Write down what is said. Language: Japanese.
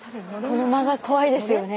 この間が怖いですよね。